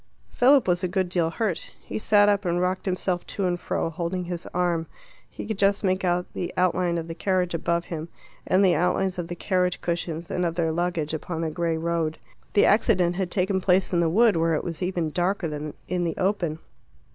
Philip was a good deal hurt. He sat up and rocked himself to and fro, holding his arm. He could just make out the outline of the carriage above him, and the outlines of the carriage cushions and of their luggage upon the grey road. The accident had taken place in the wood, where it was even darker than in the open.